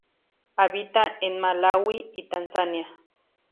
Habita en Malaui y Tanzania.